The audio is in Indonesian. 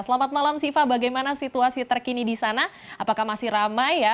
selamat malam siva bagaimana situasi terkini di sana apakah masih ramai ya